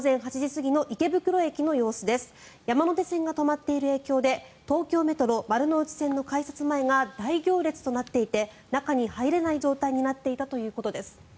山手線が止まっている影響で東京メトロ丸ノ内線の改札前が大行列となっていて中に入れない状態になっていたということです。